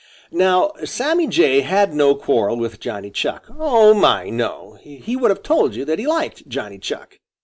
Now Sammy Jay had no quarrel with Johnny Chuck. Oh, my, no! He would have told you that he liked Johnny Chuck.